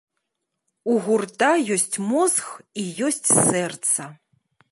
У гурта ёсць мозг і ёсць сэрца.